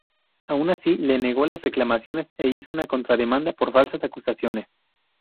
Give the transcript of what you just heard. Aun así, Lee negó las reclamaciones e hizo una contra demanda por falsas acusaciones.